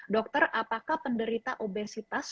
dokter apakah penderita obesitas